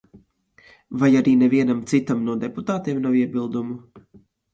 Vai arī nevienam citam no deputātiem nav iebildumu?